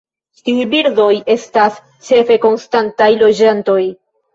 Tiuj birdoj estas ĉefe konstantaj loĝantoj.